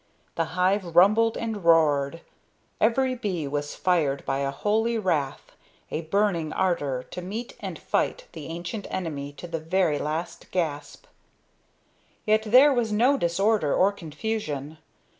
The hive rumbled and roared. Every bee was fired by a holy wrath, a burning ardor to meet and fight the ancient enemy to the very last gasp. Yet there was no disorder or confusion.